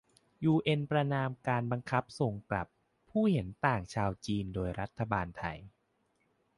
ยูเอ็นประณามการบังคับส่งกลับผู้เห็นต่างชาวจีนโดยรัฐบาลไทย